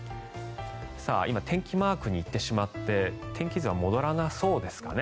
今、天気マークに行ってしまって天気図は戻らなそうですかね。